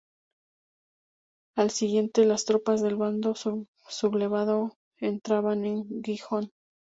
Al día siguiente, las tropas del bando sublevado entraban en Gijón.